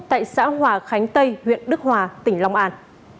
tại xã hòa khánh tây huyện đức hòa tỉnh long an